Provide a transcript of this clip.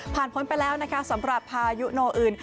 พ้นไปแล้วนะคะสำหรับพายุโนอื่น